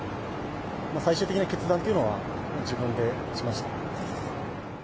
最終的な決断というのは、自分でしました。